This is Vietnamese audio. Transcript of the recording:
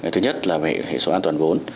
thứ nhất là về hệ số an toàn vốn